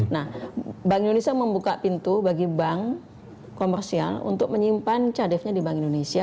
nah bank indonesia membuka pintu bagi bank komersial untuk menyimpan cadefnya di bank indonesia